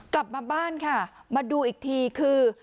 กลับมาบ้านค่ะมาดูอีกทีคือ